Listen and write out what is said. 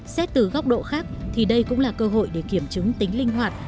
xét từ góc độ khác thì đây cũng là cơ hội để kiểm chứng tính linh hoạt